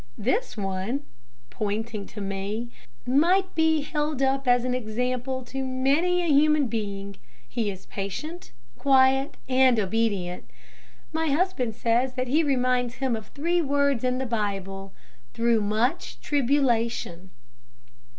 This one," pointing to me, might be held up as an example to many a human being. He is patient, quiet, and obedient. My husband says that he reminds him of three words in the Bible 'through much tribulation.'"